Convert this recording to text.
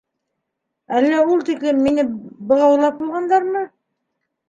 Әллә ул тиклем мине бығаулап ҡуйғандармы.